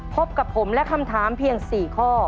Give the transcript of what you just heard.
พบกับผมและคำถามเพียง๔ข้อ